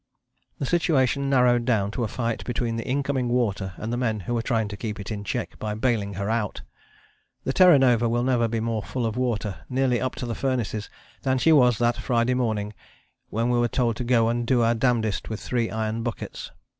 The situation narrowed down to a fight between the incoming water and the men who were trying to keep it in check by baling her out. The Terra Nova will never be more full of water, nearly up to the furnaces, than she was that Friday morning, when we were told to go and do our damndest with three iron buckets.